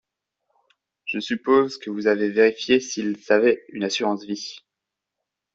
Je suppose que vous avez vérifié s’il avait une assurance-vie ?